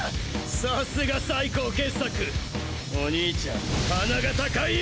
さすが最高傑作お兄ちゃん鼻が高いよ。